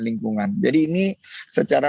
lingkungan jadi ini secara